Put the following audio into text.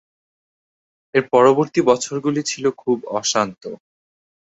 এর পরবর্তী বছরগুলি ছিল খুব অশান্ত।